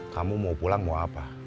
kamu mau pulang mau apa